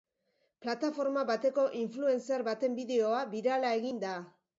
Plataforma bateko influencer baten bideoa birala egin da.